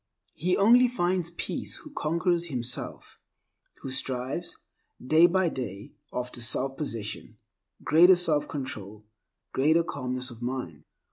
He only finds peace who conquers himself, who strives, day by day, after selfpossession, greater self control, greater calmness of mind.